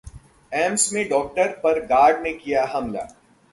AIIMS में doctor पर guard ने किया हमला